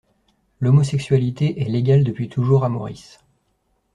L'homosexualité est légale depuis toujours à Maurice.